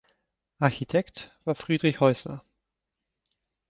Architekt war Fridrich Häusler.